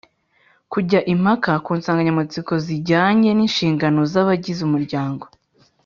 -kujya impaka ku nsanganyamatsiko zijyanye n’inshingano z’abagize umuryango